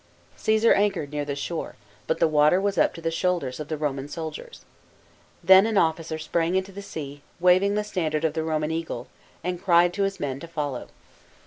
Caesar anchored near the shore, but the water was up to the shoulders of the Roman soldiers. fc.o. so.] CJESAR'S CONQUESTS. 183 Then an officer sprang into the sea, waving the standard of the Roman eagle, and cried to his men to follow.